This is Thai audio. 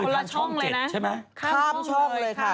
คล่านช่องเลยนะ